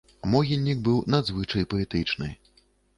Могільнік быў надзвычай паэтычны.